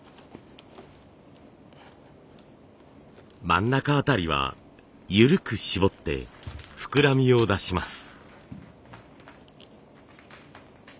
真ん中辺りは緩く絞って膨らみを出します。